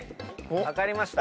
分かりました。